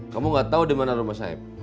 kamu nggak tahu di mana rumah saib